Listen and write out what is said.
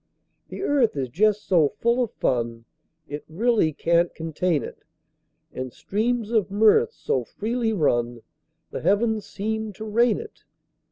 The earth is just so full of fun It really can't contain it; And streams of mirth so freely run The heavens seem to rain it.